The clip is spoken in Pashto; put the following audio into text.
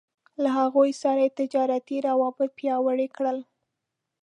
له هغوی سره يې تجارتي روابط پياوړي کړل.